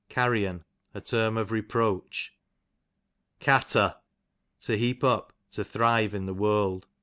carrion, a term of reproach. Catter, to heap up, to thrive in the world.